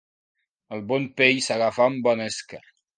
El bon peix s'agafa amb bona esca.